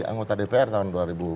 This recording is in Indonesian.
anggota dpr tahun dua ribu empat belas